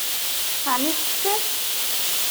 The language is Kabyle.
Ɛni teččiḍ?